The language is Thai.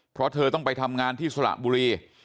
เพราะเธอต้องไปทำงานที่สระบุรี